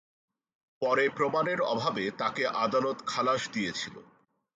পরে প্রমাণের অভাবে তাকে আদালত খালাস দিয়েছিল।